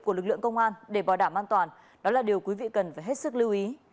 của lực lượng công an để bảo đảm an toàn đó là điều quý vị cần phải hết sức lưu ý